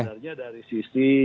sebenarnya dari sisi